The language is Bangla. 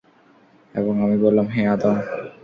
এবং আমি বললাম, হে আদম!